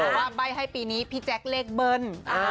ว่าใบ้ให้ปีนี้พี่แจ๊คเลขเบิ้ล